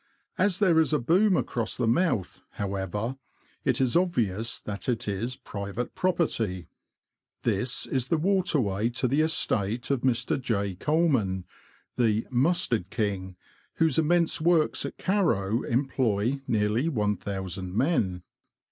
As there is a boom across the mouth, how ever, it is obvious that it is private property. This is the waterway to the estate of Mr. J. Colman, the " Mustard King," whose immense works at Carrow LOWESTOFT TO NORWICH. 63 employ nearly looo men.